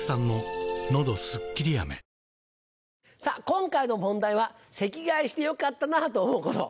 今回の問題は席替えしてよかったなぁと思うこと。